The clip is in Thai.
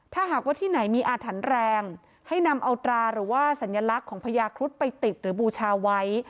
ถ้าหากว่าที่ไหนมีอาถรรพ์แรงให้นำเอาตราหรือว่าสัญลักษณ์ของพญาครุฑไปติดหรือบูชาไว้